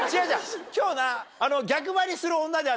今日な。